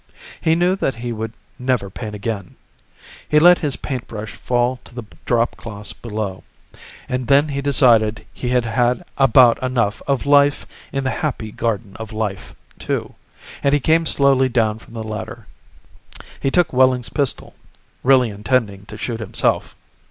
He knew that he would never paint again. He let his paintbrush fall to the dropcloths below. And then he decided he had had about enough of life in the Happy Garden of Life, too, and he came slowly down from the ladder. He took Wehling's pistol, really intending to shoot himself.